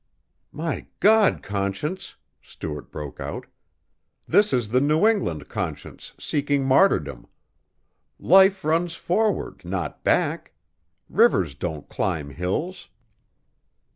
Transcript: "My God, Conscience," Stuart broke out, "this is the New England conscience seeking martyrdom. Life runs forward, not back. Rivers don't climb hills."